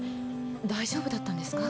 大丈夫だったんですか？